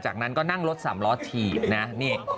จากนั้นก็นั่งรถสามล้อถีบนะนี่